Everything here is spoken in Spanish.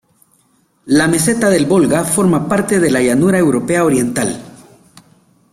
La meseta del Volga forma parte de la llanura europea oriental.